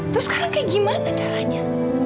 terus sekarang kayak gimana caranya